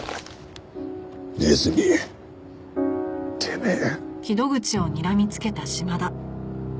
ネズミてめえ。